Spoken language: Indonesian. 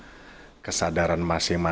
jadi ini adalah hal yang harus diperhatikan